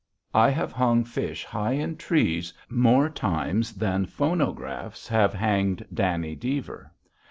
I have hung fish high in trees more times than phonographs have hanged Danny Deever.